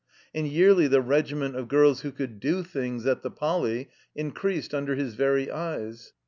And yearly the regiment of girls who could do things" at the Poly, increased under his very eyes.